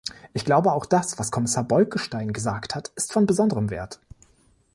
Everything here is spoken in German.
Ich glaube, auch das, was Kommissar Bolkestein gesagt hat, ist von besonderem Wert.